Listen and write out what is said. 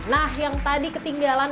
nah yang tadi ketinggalan